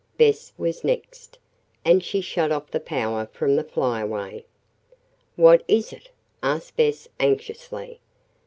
Bess was next, and she shut off the power from the Flyaway. "What is it?" asked Bess anxiously.